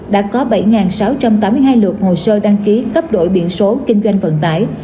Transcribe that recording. đã có bảy sáu trăm tám mươi hai lượt hồ sơ đăng ký cấp đổi biển số kinh doanh vận tải